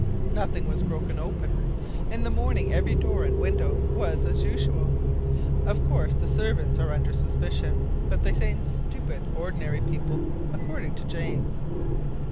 Nothing was broken open. In the morning every door and window was as usual. Of course the servants are under suspicion; but they seem stupid, ordinary people, according to James.